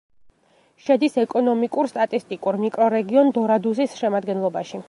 შედის ეკონომიკურ-სტატისტიკურ მიკრორეგიონ დორადუსის შემადგენლობაში.